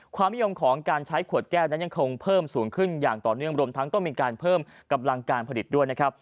ความนิยมของการใช้ขวดแก้วนั้นยังคงเพิ่มสูงขึ้นอย่างต่อเนื่องรวมทั้งต้องมีการเพิ่มกำลังการผลิตด้วยนะครับ